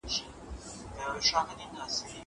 زوى د پلار د ژوند عذاب دئ